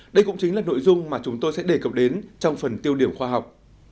đây cũng chính là nội dung mà chúng tôi sẽ đề cập đến trong phần tiêu điểm khoa học